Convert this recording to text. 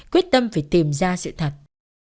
quyết tâm phải tìm ra sự thật